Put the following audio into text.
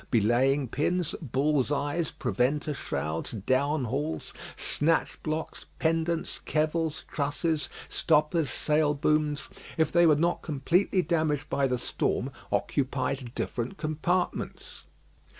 Belaying pins, bullseyes, preventer shrouds, down hauls, snatch blocks, pendents, kevels, trusses, stoppers, sailbooms, if they were not completely damaged by the storm, occupied different compartments.